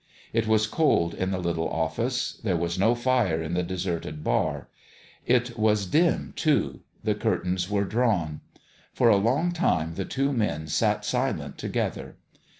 It was cold in the little office : there was no fire in the deserted bar. It was dim, too : the curtains were drawn. For a long time the two men sat silent together.